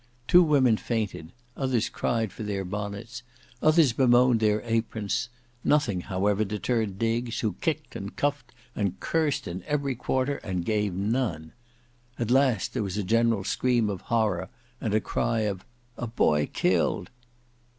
Two women fainted; others cried for their bonnets; others bemoaned their aprons; nothing however deterred Diggs, who kicked and cuffed and cursed in every quarter, and gave none. At last there was a general scream of horror, and a cry of "a boy killed."